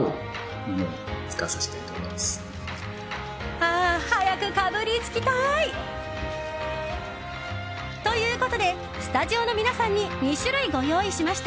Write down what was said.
ああ、早くかぶりつきたい！ということでスタジオの皆さんに２種類ご用意しました。